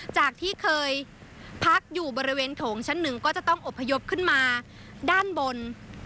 จากที่เคยพักอยู่บริเวณโถงชั้นหนึ่งก็จะต้องอบพยพขึ้นมาด้านบน